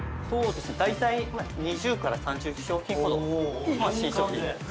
◆大体２０から３０商品ほど新商品を。